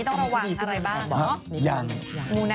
ต้องระวังอะไรบ้างเหรอมูไนท์มูไนท์